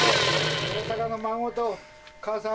大阪の孫と母さん。